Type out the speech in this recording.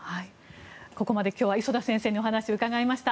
ここまで今日は磯田先生にお話を伺いました。